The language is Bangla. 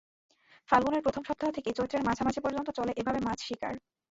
ফাল্গুনের প্রথম সপ্তাহ থেকে চৈত্রের মাঝামাঝি পর্যন্ত চলে এভাবে মাছ শিকার।